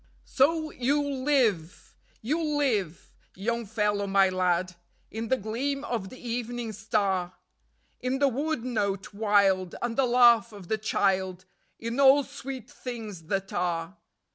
"So you'll live, you'll live, Young Fellow My Lad, In the gleam of the evening star, In the wood note wild and the laugh of the child, In all sweet things that are.